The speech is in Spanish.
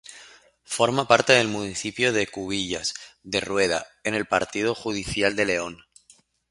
Forma parte del municipio de Cubillas de Rueda, en el partido judicial de León.